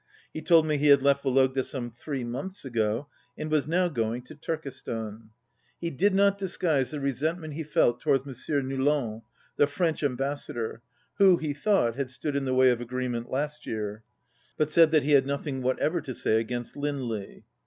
He told me he had left Vo logda some three months ago and was now going 54 to Turkestan. He did not disguise the resentment he felt towards M. Noulens (the French Ambas sador) who, he thought, had stood in the way of agreement last year, but said that he had nothing whatever to say against Lindley.